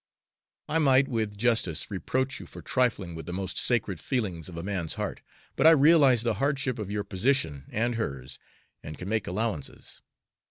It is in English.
I might with justice reproach you for trifling with the most sacred feelings of a man's heart; but I realize the hardship of your position and hers, and can make allowances.